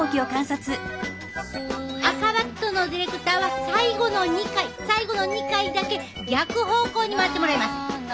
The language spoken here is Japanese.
赤バットのディレクターは最後の２回最後の２回だけ逆方向に回ってもらいます！